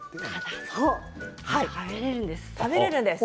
食べられるんです。